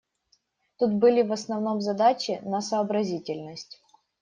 Тут были в основном задачи на сообразительность.